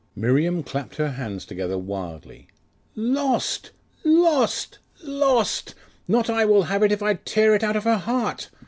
Miriam clapped her hands together wildly. 'Lost! lost! lost! Not I will have it, if I tear it out of her heart!